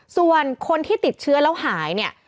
ส่วนคนที่ติดเชื้อแล้วหาย